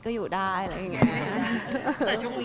ก็อยู่ได้อะไรอย่างนี้